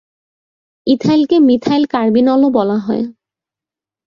ইথানলকে methyl কার্বিনলও বলা হয়।